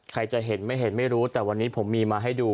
ใครจะเห็นไม่เห็นไม่รู้แต่วันนี้ผมมีมาให้ดู